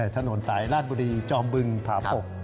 ถนนสายราชบุรีจอมบึงพระประภพ